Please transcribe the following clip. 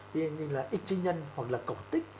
vì vậy như là ít trí nhân hoặc là cổ tích